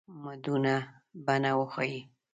مدونه بڼه وښتي.